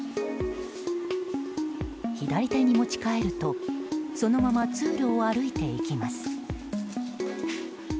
左手に持ち替えるとそのまま通路を歩いていきます。